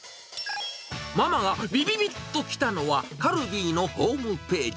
ママがびびびっときたのは、カルビーのホームページ。